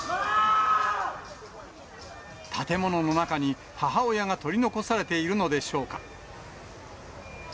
建物の中に、母親が取り残されているのでしょうか。